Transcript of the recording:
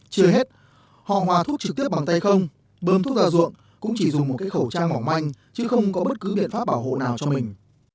chưa hết họ hòa thuốc trực tiếp bằng tay không bơm thuốc ra ruộng cũng chỉ dùng một cái khẩu trang mỏng manh chứ không có bất cứ biện pháp bảo hộ nào cho mình